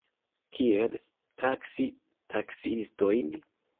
Kiel taksi taksiistojn?